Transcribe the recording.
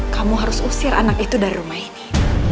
kamu harus usir anak itu dari rumah ini